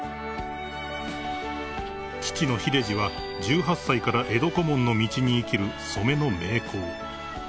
［父の秀治は１８歳から江戸小紋の道に生きる染めの名工］